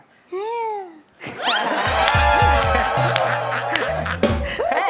กันแล้ว